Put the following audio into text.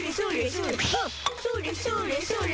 それそれそれそれ。